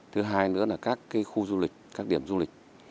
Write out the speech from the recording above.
thứ hai nữa là các khu du lịch các điểm du lịch